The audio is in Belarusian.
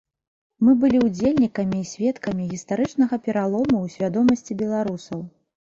Мы былі ўдзельнікамі і сведкамі гістарычнага пералому ў свядомасці беларусаў.